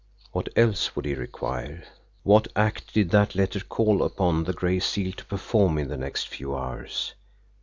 What else would he require? What act did that letter call upon the Gray Seal to perform in the next few hours?